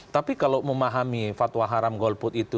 tapi kalau memahami fatwa haram golput itu